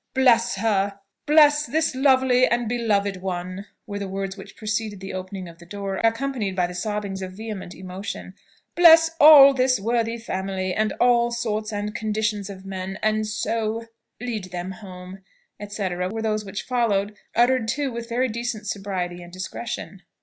"Bless her! bless this lovely and beloved one!" were the words which preceded the opening of the door, accompanied by the sobbings of vehement emotion. "Bless all this worthy family, and all sorts and conditions of men; and so lead them home" ... &c. were those which followed, uttered, too, with very decent sobriety and discretion.